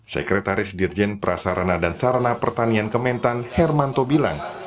sekretaris dirjen prasarana dan sarana pertanian kementan hermanto bilang